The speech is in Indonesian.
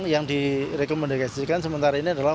yang direkomendasikan sementara ini adalah